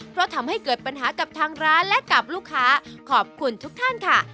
เพราะทำให้เกิดปัญหากับทางร้านและกับลูกค้าขอบคุณทุกท่านค่ะ